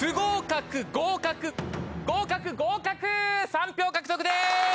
３票獲得です。